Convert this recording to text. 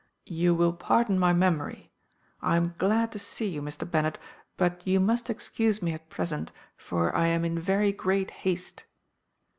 you will pardon my memory. I am glad to see you, Mr. Bennet, but you must excuse me at present, for I am in very great haste.